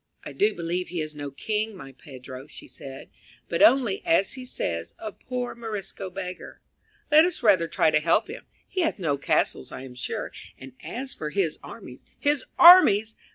"I do believe he is no king, my Pedro," she said, "but only, as he says, a poor Morisco beggar. Let us rather try to help him. He hath no castles I am sure, and as for his armies " "His armies!